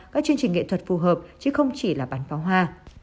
các chương trình nghệ thuật phù hợp chứ không chỉ là bán pháo hoa